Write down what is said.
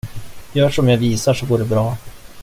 Gör som jag visar så går det bra.